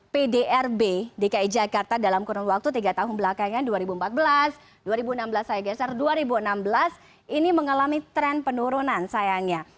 pdrb dki jakarta dalam kurun waktu tiga tahun belakangan dua ribu empat belas dua ribu enam belas saya geser dua ribu enam belas ini mengalami tren penurunan sayangnya